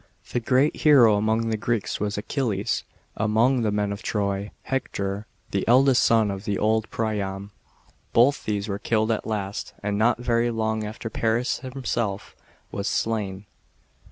The great hero among the Greeks was Achilles, among the men of Troy, Hector, the eldest son of old Priam. Both these were killed at last, and not very long after Paris himself was slain.